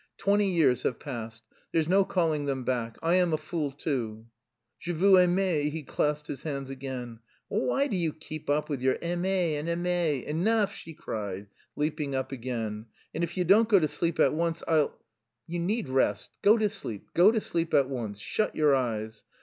"Twenty years have passed, there's no calling them back. I am a fool too." "Je vous aimais." He clasped his hands again. "Why do you keep on with your aimais and aimais? Enough!" she cried, leaping up again. "And if you don't go to sleep at once I'll... You need rest; go to sleep, go to sleep at once, shut your eyes.